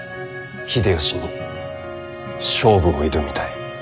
秀吉に勝負を挑みたい。